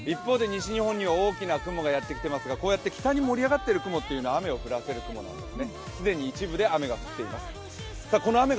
一方で西日本に大きな雲がやってきますが、こうやって北に盛り上がっている雲というのは雨をもたらす雨なんですね。